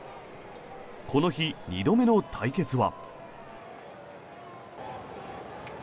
この日、２度目の対決は。